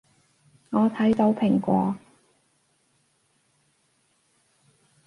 我睇到蘋果